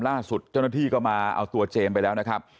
ล่าสุดเจ้าหน้าที่ก็มาเอาตัวเจมส์ไปแล้วนะครับ